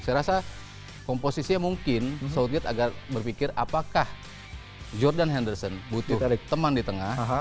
saya rasa komposisinya mungkin southead agar berpikir apakah jordan henderson butuh teman di tengah